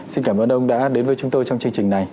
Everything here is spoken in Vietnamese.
xin cảm ơn ông đã đến với chúng tôi trong chương trình này